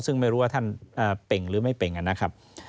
ซึ่งไม่รู้ว่าท่านเป่งหรือไม่เป่งนะครับ